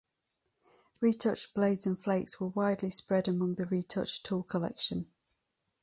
Retouched blades and flakes were widely spread among the retouched tool collection.